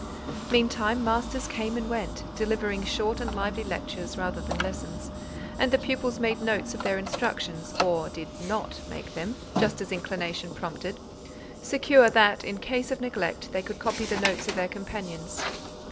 Meantime, masters came and went, delivering short and lively lectures, rather than lessons, and the pupils made notes of their instructions, or did not make them—just as inclination prompted; secure that, in case of neglect, they could copy the notes of their companions.